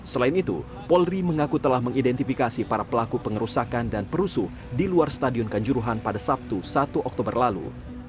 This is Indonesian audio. selain itu polri mengaku telah mengidentifikasi para pelaku pengerusakan dan perusuh di luar stadion kanjuruhan pada sabtu satu oktober lalu